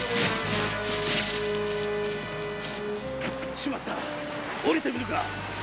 しまった降りてみるか。